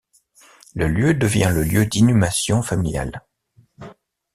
Le lieu devient le lieu d'inhumation familial.